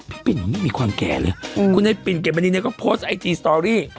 ปิ่นไม่มีความแก่เลยคุณไอ้ปิ่นเกะมณีเนี่ยก็โพสต์ไอจีสตอรี่